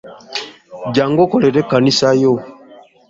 Jangu okolere ekkanisa yo.